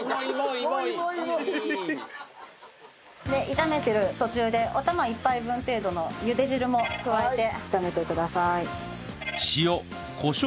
炒めてる途中でお玉一杯分程度の茹で汁も加えて炒めてください。